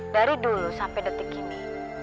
dari dulu sampai detik ini